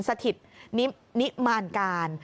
สถิตนิมารการ